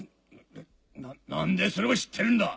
な何でそれを知ってるんだ？